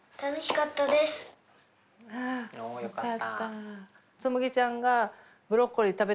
およかった。